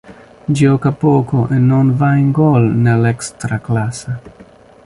Gioca poco e non va in gol nell'Ekstraklasa.